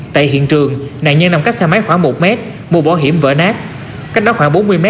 tại hiện trường nạn nhân nằm cách xe máy khoảng một m mùa bỏ hiểm vỡ nát cách đó khoảng bốn mươi m